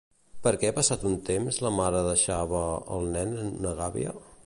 Per què passat un temps la mare deixava el nen en una gàbia?